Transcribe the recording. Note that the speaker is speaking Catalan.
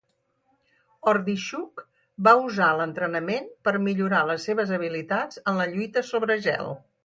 Hordichuk va usar l'entrenament per millorar les seves habilitats en la lluita sobre gel.